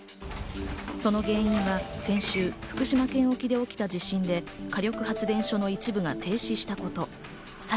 その原因は先週、福島県沖で起きた地震で火力発電所の一部が停止したこと。